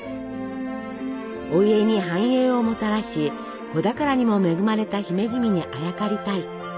お家に繁栄をもたらし子宝にも恵まれた姫君にあやかりたい。